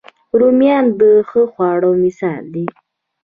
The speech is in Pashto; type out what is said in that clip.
رومیان د ښه خواړه مثال دي